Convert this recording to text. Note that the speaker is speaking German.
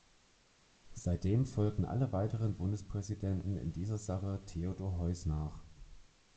Seitdem folgten alle weiteren Bundespräsidenten in dieser Sache Theodor Heuss nach.